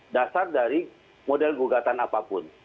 dasar dari model gugatan apapun